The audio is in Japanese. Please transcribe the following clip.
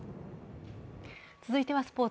続いてはスポーツ。